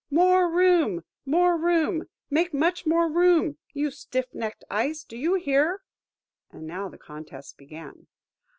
"More room! more room! make much more room? You stiff necked Ice, do you hear?" And now the contest began.